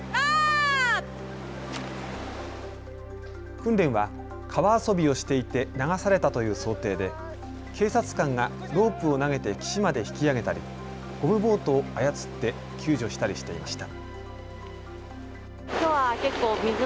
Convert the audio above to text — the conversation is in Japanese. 訓練は川遊びをしていて流されたという想定で警察官がロープを投げて岸まで引き上げたり、ゴムボートを操って救助したりしていました。